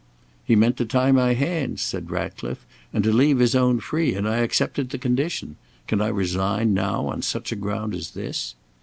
"He meant to tie my hands," said Ratcliffe, "and to leave his own free, and I accepted the condition. Can I resign now on such a ground as this?"